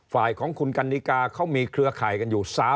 ฝ่ายของคุณกันนิกาเขามีเครือข่ายกันอยู่